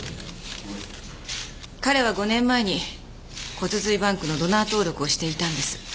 彼は５年前に骨髄バンクのドナー登録をしていたんです。